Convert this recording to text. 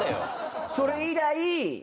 それ以来。